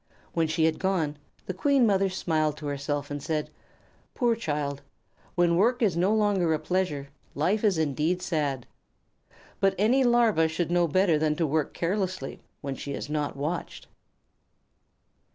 When she had gone, the Queen Mother smiled to herself and said: "Poor child! When work is no longer a pleasure, life is indeed sad. But any Larva should know better than to work carelessly when she is not watched."